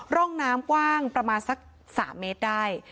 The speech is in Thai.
ร่องน้ำกว้างประมาณสัก๓เมตรได้